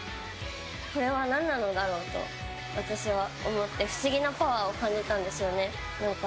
これは何なのだろうと私は思って不思議なパワーを感じたんですよね。